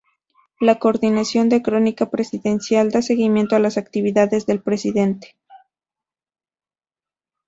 La Coordinación de Crónica Presidencial da seguimiento a las actividades del Presidente.